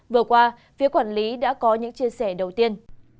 vừa qua phía quản lý đã có những chia sẻ đầu tiên